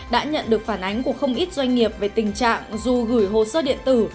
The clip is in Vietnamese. đã nhận được phản ánh của không ít doanh nghiệp về tình trạng dù gửi hồ sơ điện tử